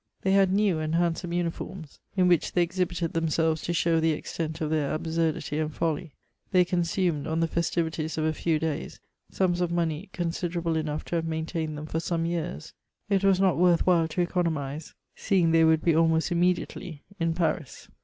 They had new and handsome uni£nrms, in which they exhibited themselres to show the extent of their absurdity ana folly. They consumed, on the festivities (^ a few days, sums of money considerate enough to have maintained them for some yeare ; it was not wordi while to economise, sedmg they would be almost immediately in Paris.